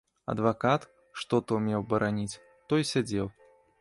Адвакат, што то меў бараніць, той сядзеў.